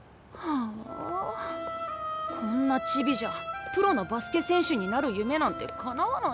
あこんなちびじゃプロのバスケ選手になる夢なんてかなわないよ。